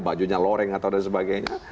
bajunya loreng atau dan sebagainya